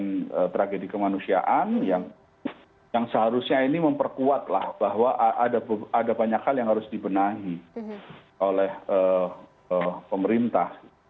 dan tragedi kemanusiaan yang seharusnya ini memperkuatlah bahwa ada banyak hal yang harus dibenahi oleh pemerintah